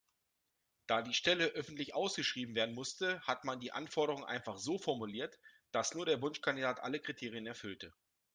Da die Stelle öffentlich ausgeschrieben werden musste, hat man die Anforderungen einfach so formuliert, dass nur der Wunschkandidat alle Kriterien erfüllte.